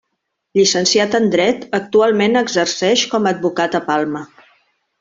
Llicenciat en Dret, actualment exerceix com a advocat a Palma.